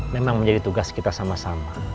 memang menjadi tugas kita sama sama